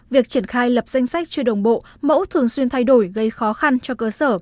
việc triển khai lập danh sách chưa đồng bộ mẫu thường xuyên thay đổi gây khó khăn cho cơ sở